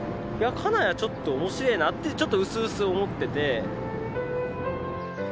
金谷はちょっとおもしろいなってちょっとうすうす思っていて。